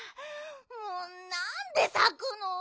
もうなんでさくの？